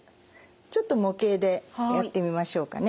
ちょっと模型でやってみましょうかね。